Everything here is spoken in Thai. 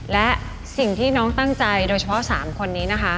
และสิ่งที่น้องตั้งใจโดยเฉพาะ๓คนนี้นะคะ